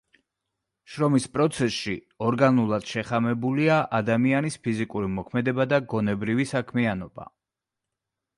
შრომის პროცესში ორგანულად შეხამებულია ადამიანის ფიზიკური მოქმედება და გონებრივი საქმიანობა.